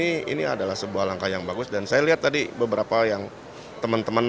ini adalah sebuah langkah yang bagus dan saya lihat tadi beberapa yang teman teman